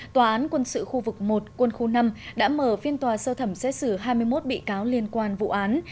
tòa án quân sự khu vực một quân khu năm đã mở phiên tòa sơ thẩm xét xử hai mươi một bị cáo liên quan vụ án